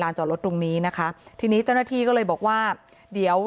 จอดรถตรงนี้นะคะทีนี้เจ้าหน้าที่ก็เลยบอกว่าเดี๋ยว